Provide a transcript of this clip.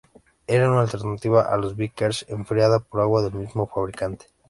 Era una alternativa a la Vickers enfriada por agua del mismo fabricante.